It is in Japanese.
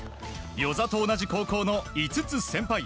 與座と同じ高校の５つ先輩。